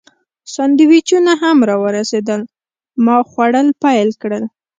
سانډویچونه هم راورسېدل، ما خوړل پیل کړل.